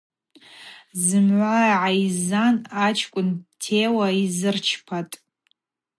Зымгӏва гӏайззан ачкӏвын теуа йзырчпатӏ.